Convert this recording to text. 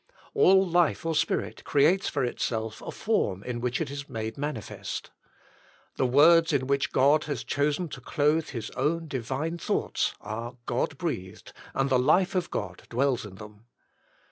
All life or spirit creates for itself a form in which it is made manifest. The words in which God has chosen to clothe His own Divine thoughts are God breathed and the life of God dwells in them.